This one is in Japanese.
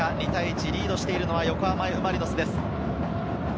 リードしているのは横浜Ｆ・マリノスです。